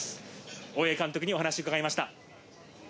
大八木監督にお話しを伺いました。